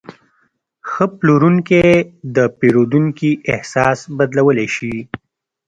ښه پلورونکی د پیرودونکي احساس بدلولی شي.